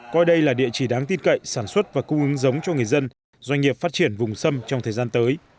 coi đây là địa chỉ đáng tin cậy sản xuất và cung ứng giống cho người dân doanh nghiệp phát triển vùng sâm trong thời gian tới